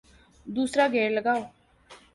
دوسرا گیئر لگاؤ